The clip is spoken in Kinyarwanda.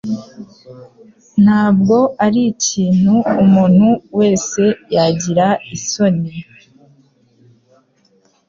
Ntabwo ari ikintu umuntu wese yagira isoni.